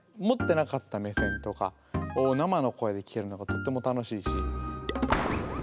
持ってなかった目線とかを生の声で聞けるのがとっても楽しいし。